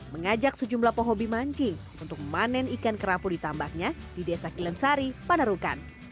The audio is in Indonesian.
mengajak sejumlah pohobi mancing untuk memanen ikan kerapu ditambaknya di desa kilansari panarukan